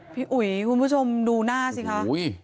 พี่อุ๋ยคุณผู้ชมดูหน้าสิคะ